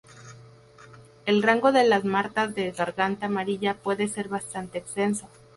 El rango de las martas de garganta amarilla puede ser bastante extenso.